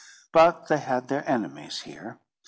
But they had their enemies here.